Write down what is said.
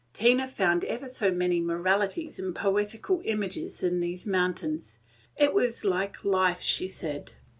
Tina found ever so many moralities and poetical images in these mountains. It was like life, she said.